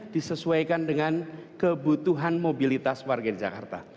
disesuaikan dengan kebutuhan mobilitas warga di jakarta